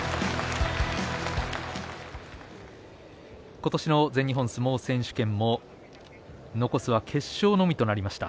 今年の全日本相撲選手権も残すは決勝のみとなりました。